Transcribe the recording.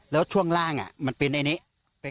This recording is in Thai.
แล้วช่วงล่างมันเป็นไอ้นี้